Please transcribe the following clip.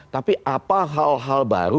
tapi apa hal hal baru